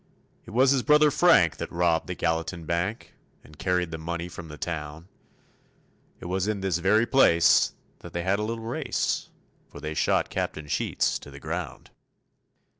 It was his brother Frank that robbed the Gallatin bank, And carried the money from the town; It was in this very place that they had a little race, For they shot Captain Sheets to the ground.